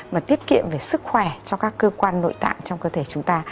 và tiết kiệm về sức khỏe cho các cơ quan nội tạng trong cơ thể chúng ta